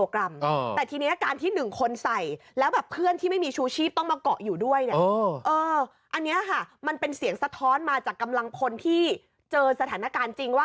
คืออากาศก็จะค่อยออกไป